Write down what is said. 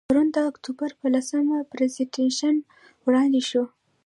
پرون د اکتوبر په لسمه، پرزنټیشن وړاندې شو.